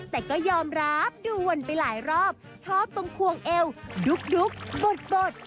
แต่ก็ยอมรับดูวนไปหลายรอบชอบตรงควงเอวดุ๊กดุ๊กบด